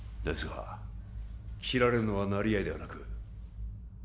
ですが切られるのは成合ではなく